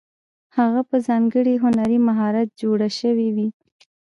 هغه په ځانګړي هنري مهارت جوړې شوې وې.